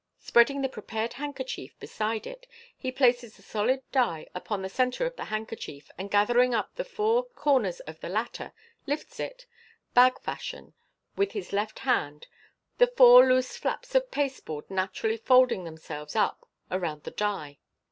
Spreading the prepared handkerchief beside it, he places the solid die upon the centre of the handkerchief, and gathering up the four corners of the latter, lifts it, bag fashion, with his left hand, the four loose flaps of pasteboard naturally folding themselves up around the die.